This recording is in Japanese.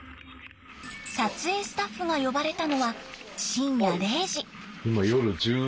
撮影スタッフが呼ばれたのは深夜０時。